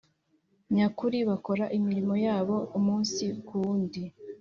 nyakuri bakora imirimo yabo umunsi kuwundi